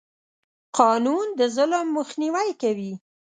قانون د ظلم مخنیوی کوي.